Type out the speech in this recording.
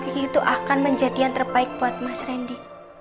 itu akan menjadi yang terbaik buat mas randy